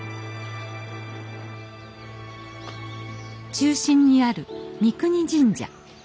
中心にある三國神社。